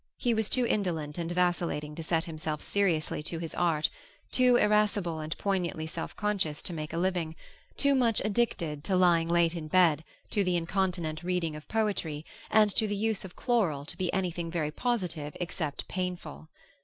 He was too indolent and vacillating to set himself seriously to his art, too irascible and poignantly self conscious to make a living, too much addicted to lying late in bed, to the incontinent reading of poetry, and to the use of chloral to be anything very positive except painful.